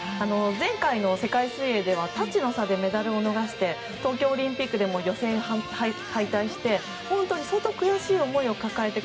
前回の世界水泳ではタッチの差でメダルを逃して東京オリンピックでも予選敗退して、本当に相当悔しい思いを抱えて